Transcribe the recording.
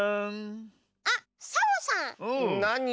あっサボさん。